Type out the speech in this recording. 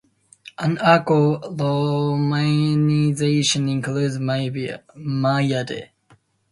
An archaic romanization includes Mayeda.